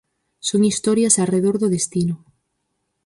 Son historias arredor do destino.